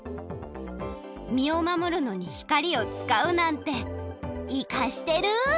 みをまもるのに光をつかうなんていかしてる！